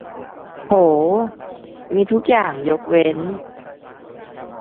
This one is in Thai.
โห มีทุกอย่างยกเว้น